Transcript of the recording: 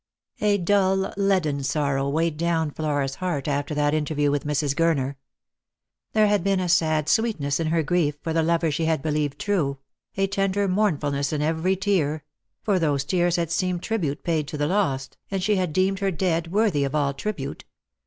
A dull leaden sorrow weighed down Flora's heart after tn&i interview with Mrs. Gurner. There had been a sad sweetness in her grief for the lover she had believed true; a tender mournfulness m every tear ; for those tears had seemed tribute paid to the lost, and she had deemed her dead worthy of all tribute.